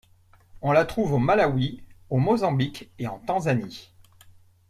On la trouve au Malawi, au Mozambique et en Tanzanie.